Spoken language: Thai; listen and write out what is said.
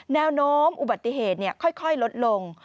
แนวโน้มอุบัติเหตุค่อยลดลง